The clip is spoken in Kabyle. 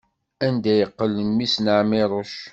Anda yeqqel mmi-s n Ɛmiruc?